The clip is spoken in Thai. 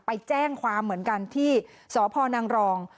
ไปแจ้งความเหมือนกันที่สพนังรอง